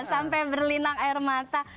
sampai berlinang air mata